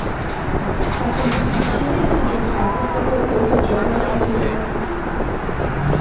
La competizione fu giocata per lo più da giovani e riserve.